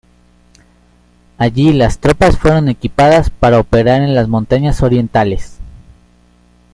Allí las tropas fueron equipadas para operar en las montañas orientales.